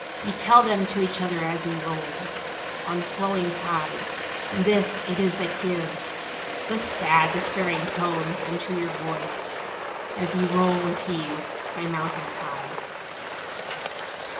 Ye tell them to each other as ye roll On flowing tide, and this it is that gives The sad despairing tones unto your voice As on ye roll at eve by mounting tide."